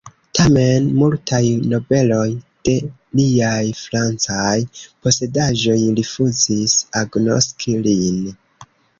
Tamen multaj nobeloj de liaj francaj posedaĵoj rifuzis agnoski lin.